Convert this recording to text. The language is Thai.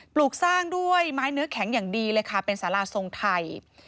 ปลูกสร้างด้วยไม้เนื้อแข็งอย่างดีเลยค่ะเป็นสาราทรงไทย